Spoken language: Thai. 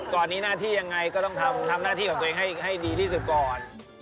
ก่อนนี้หน้าที่ยังไงก็ต้องทำหน้าที่ของตัวเองให้ดีที่สุดก่อน